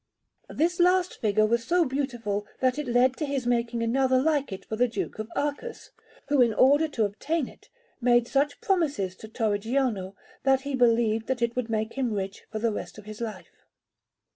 This last figure was so beautiful that it led to his making another like it for the Duke of Arcus, who, in order to obtain it, made such promises to Torrigiano, that he believed that it would make him rich for the rest of his life.